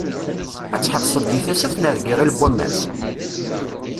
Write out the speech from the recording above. Ad tḥebseḍ deg Tasaft neɣ deg Iɣil n wammas?